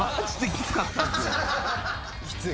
きつい？